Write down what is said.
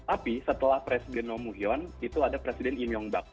nah tapi setelah presiden kim dae jong itu ada presiden lee myung buk